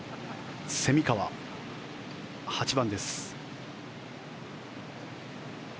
蝉川、８番です。